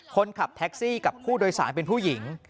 คนขับแท็กซี่กับผู้โดยสารเป็นผู้หญิง